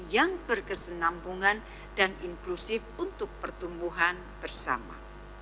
yang berkesenambungan dan inklusif untuk pertumbuhan bersama